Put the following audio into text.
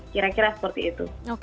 kira kira seperti itu